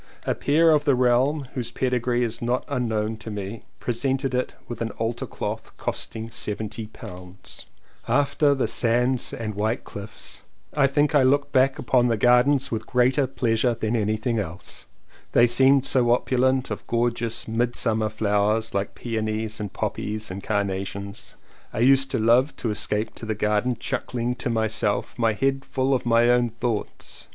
A peer of the realm — whose pedigree is not unknown to me — presented it with an altar cloth costing seventy pounds. 197 CONFESSIONS OF TWO BROTHERS After the sands and the white cliffs I think I look back upon the gardens with greater pleasure than anything else — they seemed so opulent of gorgeous midsummer flowers, like peonies and poppies and car nations. I used to love to escape to the garden, chuckling to myself, my head full of my own thoughts.